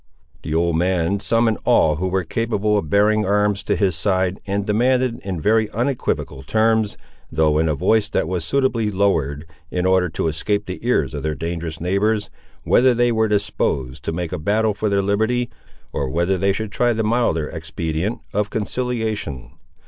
The old man summoned all who were capable of bearing arms to his side, and demanded, in very unequivocal terms, though in a voice that was suitably lowered, in order to escape the ears of their dangerous neighbours, whether they were disposed to make battle for their liberty, or whether they should try the milder expedient of conciliation.